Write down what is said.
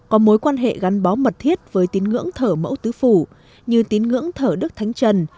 có mối quan hệ gắn bó mật thiết với tín ngưỡng thở mẫu tứ phủ như tín ngưỡng thờ đức thánh trần